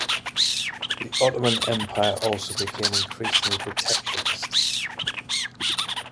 The Ottoman Empire also became increasingly protectionist.